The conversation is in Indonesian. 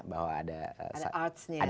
bahwa ada arts nya